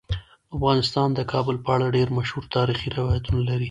افغانستان د کابل په اړه ډیر مشهور تاریخی روایتونه لري.